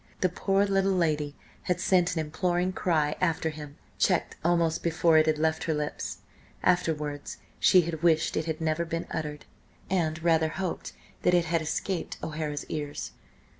The poor little lady had sent an imploring cry after him, checked almost before it had left her lips. Afterwards she wished it had never been uttered, and rather hoped that it had escaped O'Hara's ears.